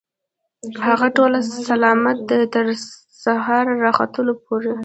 هغه ټوله سلامتيا ده، تر سهار راختلو پوري